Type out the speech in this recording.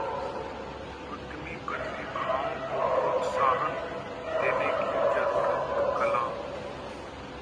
उद्यमी प्रतिभाओं को प्रोत्साहन देने की जरूरत: कलाम